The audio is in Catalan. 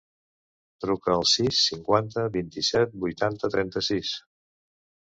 Truca al sis, cinquanta, vint-i-set, vuitanta, trenta-sis.